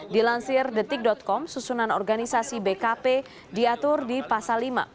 dilansir detik com susunan organisasi bkp diatur di pasal lima